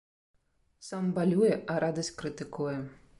Сам балюе, а радасць крытыкуе.